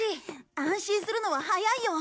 安心するのは早いよ。